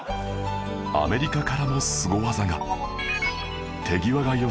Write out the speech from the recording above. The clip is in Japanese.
アメリカからもスゴ技が